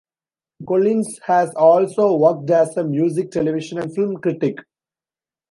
Collins has also worked as a music, television and film critic.